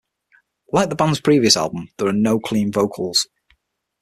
Like the band's previous album, there are no clean vocals.